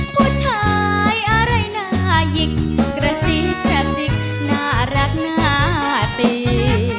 ผู้ชายอะไรน่ายิกกระซิกกระซิกน่ารักหน้าตี